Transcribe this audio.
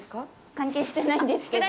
関係してないんですけど。